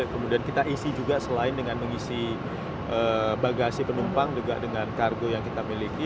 kemudian kita isi juga selain dengan mengisi bagasi penumpang juga dengan kargo yang kita miliki